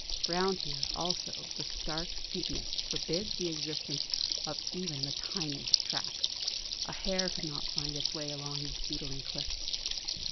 Round here also the stark steepness forbids the existence of even the tiniest track; a hare could not find its way along these beetling cliffs.